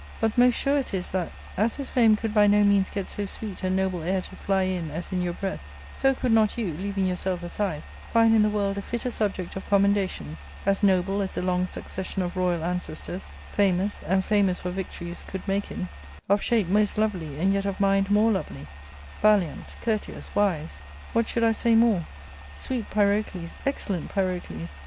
But most sure it is that, as his fame could by no means get so sweet and noble air to fly in as in your breath, so could not you, leaving yourself aside, find in the world a fitter subject of commendation ; as noble as a long succession of royal an cestors, famous, and famous for victories, could make him ; of shape most lovely, and yet of mind more lovely ; valiant, courteous, wise. What should I say more ? Sweet Pyrocles, excellent Pyrocles